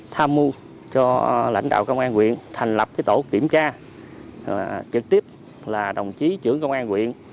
tham mưu cho lãnh đạo công an quyện thành lập tổ kiểm tra trực tiếp là đồng chí trưởng công an quyện